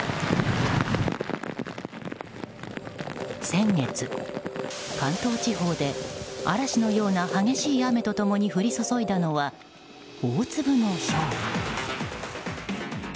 先月、関東地方で嵐のような激しい雨と共に降り注いだのは大粒のひょう。